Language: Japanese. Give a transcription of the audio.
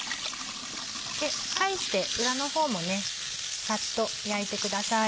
で返して裏の方もサッと焼いてください。